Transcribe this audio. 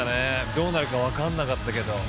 どうなるか分かんなかったけど。